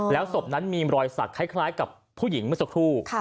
แล้วศพนั้นมีรอยสักคล้ายกับผู้หญิงเมื่อสักครู่